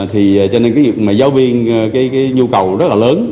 thì cho nên giáo viên cái nhu cầu rất là lớn